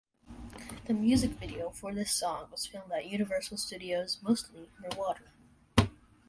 The music video for this song was filmed at Universal Studios mostly underwater.